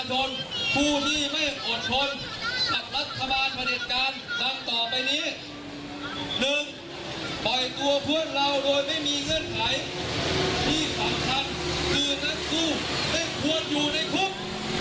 หนึ่งปล่อยตัวเพื่อนเราโดยไม่มีเงื่อนไขที่สำคัญคือนักสู้ไม่ควรอยู่ในคุก